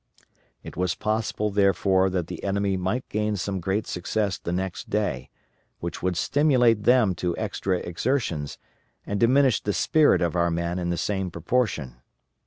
It was possible therefore that the enemy might gain some great success the next day, which would stimulate them to extra exertions, and diminish the spirit of our men in the same proportion.